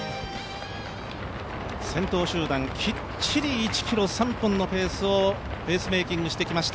先頭集団、きっちり１ｋｍ３分のペースをペースメイキングしてきました。